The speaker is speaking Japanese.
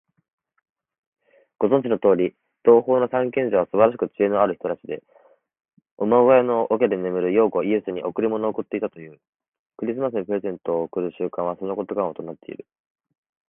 ご存じのとおり、東方の三賢者はすばらしく知恵のある人たちで、馬小屋の桶で眠る幼子イエスに贈り物を持ってきたという。クリスマスにプレゼントを贈る習慣は、そのことがもとになっている。